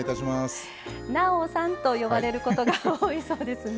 「なおさん」と呼ばれることが多いそうですね。